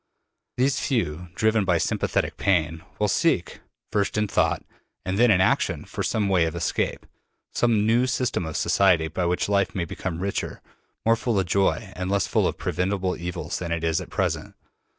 These few, driven by sympathetic pain, will seek, first in thought and then in action, for some way of escape, some new system of society by which life may become richer, more full of joy and less full of preventable evils than it is at present.